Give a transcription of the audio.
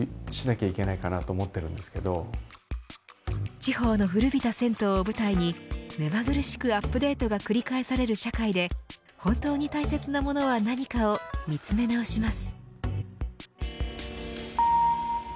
地方の古びた銭湯を舞台に目まぐるしくアップデートが繰り返される社会で本当に大切なものは何かを見つめ直します。